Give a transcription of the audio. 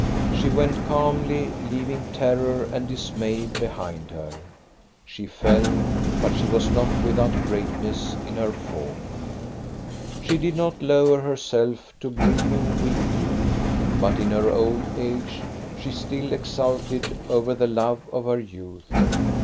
She went calmly, leaving terror and dismay behind her. She fell, but she was not without greatness in her fall. She did not lower herself to grieving weakly, but in her old age she still exulted over the love of her youth.